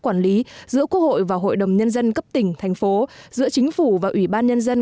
quản lý giữa quốc hội và hội đồng nhân dân cấp tỉnh thành phố giữa chính phủ và ủy ban nhân dân